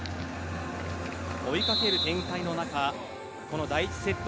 追いかける展開の中この第１セット